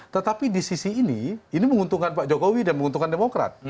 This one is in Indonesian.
tetapi di sisi ini ini menguntungkan pak jokowi dan menguntungkan demokrat